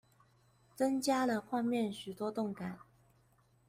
增加了畫面許多動感